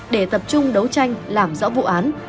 để tập trung đấu tranh làm rõ vụ án